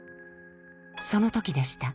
その時でした。